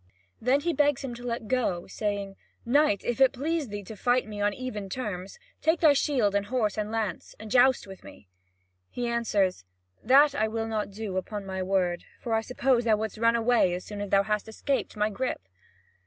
Then he begs him to let go, saying: "Knight, if it please thee to fight me on even terms, take thy shield and horse and lance, and joust with me." He answers: "That will I not do, upon my word; for I suppose thou wouldst run away as soon as thou hadst escaped my grip."